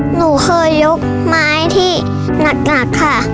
หนูเคยยกไม้ที่หนักค่ะ